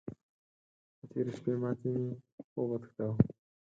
د تېرې شپې ماتې مې خوب وتښتاوو.